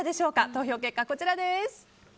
投票結果、こちらです。